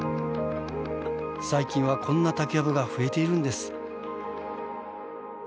最近はこんな竹やぶが増えているんです。